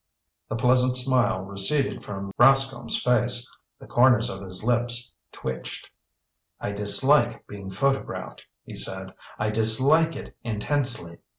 The pleasant smile receded from Rascomb's face. The corners of his lips twitched. "I dislike being photographed," he said. "I dislike it intensely.